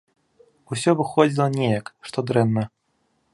Усё выходзіла неяк, што дрэнна.